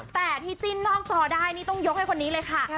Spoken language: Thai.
แต่ที่จิ้นนอกจอได้นี่ต้องยกให้คนนี้เลยค่ะ